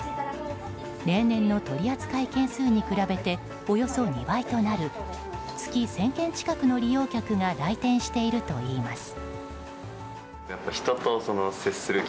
例年の取り扱い件数に比べておよそ２倍となる月１０００件近くの利用客が来店しているといいます。